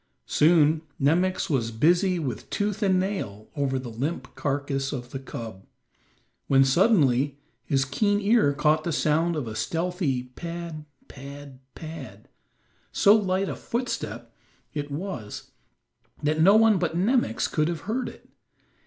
Soon Nemox was busy with tooth and nail over the limp carcass of the cub, when suddenly his keen ear caught the sound of a stealthy pad, pad, pad; so light a footstep it was that no one but Nemox could have heard it.